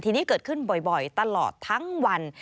ทีนี้เกิดขึ้นบ่อยตลอดทั้งวัน